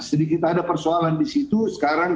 sedikit ada persoalan di situ sekarang